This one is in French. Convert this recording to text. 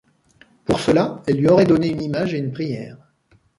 Pour cela elle lui aurait donné une image et une prière.